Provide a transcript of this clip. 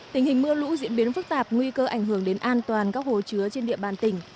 tình hình mưa lũ diễn biến phức tạp nguy cơ ảnh hưởng đến an toàn các hồ chứa trên địa bàn tỉnh